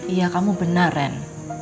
iya kamu benar ren